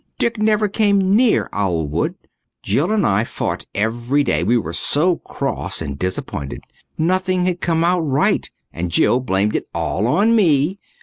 Dick never came near Owlwood. Jill and I fought every day, we were so cross and disappointed. Nothing had come out right, and Jill blamed it all on me.